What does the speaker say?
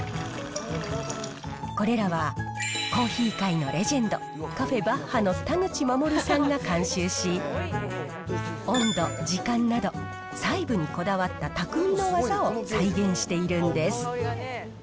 これらはコーヒー界のレジェンド、カフェ・バッハの田口護さんが監修し、温度、時間など、細部にこだわったたくみの技を再現しているんです。